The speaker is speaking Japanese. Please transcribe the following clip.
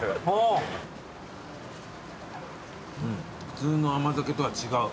普通の甘酒とは違う。